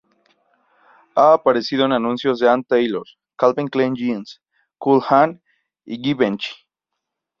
Ha aparecido en anuncios de Ann Taylor, Calvin Klein Jeans, Cole Haan, y Givenchy.